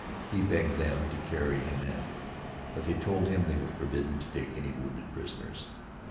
He begged them to carry him in, but they told him they were forbidden to take any wounded prisoners.